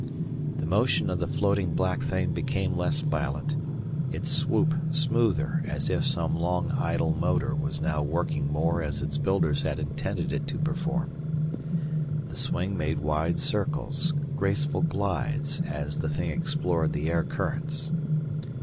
The motion of the floating black thing became less violent, its swoop smoother as if some long idle motor was now working more as its builders had intended it to perform. The swing made wide circles, graceful glides as the thing explored the air currents.